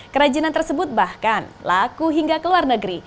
kerajinan tersebut bahkan laku hingga ke luar negeri